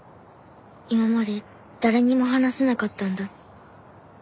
今まで誰にも話せなかったんだ。